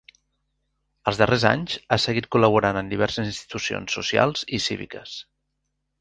Els darrers anys ha seguit col·laborant en diverses institucions socials i cíviques.